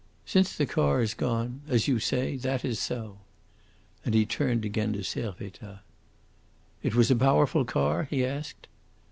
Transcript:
"Since the car is gone, as you say, that is so." And he turned again to Servettaz. "It was a powerful car?" he asked.